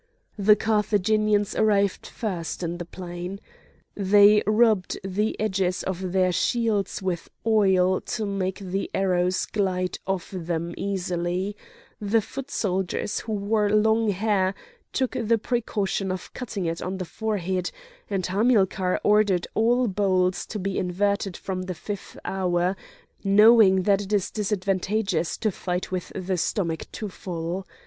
The Carthaginians arrived first in the plain. They rubbed the edges of their shields with oil to make the arrows glide off them easily; the foot soldiers who wore long hair took the precaution of cutting it on the forehead; and Hamilcar ordered all bowls to be inverted from the fifth hour, knowing that it is disadvantageous to fight with the stomach too full.